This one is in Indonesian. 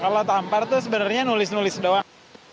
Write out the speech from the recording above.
kalau tampar itu sebenarnya nulis nulis doang